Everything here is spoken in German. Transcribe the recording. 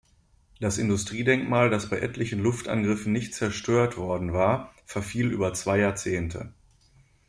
Das Industrie-Denkmal, das bei etlichen Luftangriffen nicht zerstört worden war, verfiel über zwei Jahrzehnte.